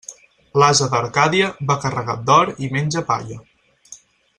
L'ase d'Arcàdia, va carregat d'or i menja palla.